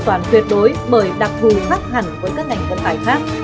sự an toàn tuyệt đối bởi đặc vụ khác hẳn với các ngành công tài khác